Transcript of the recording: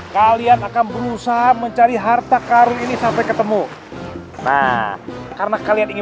kalian akan berusaha mencari harta karun ini sampai ketemu nah karena kalian ingin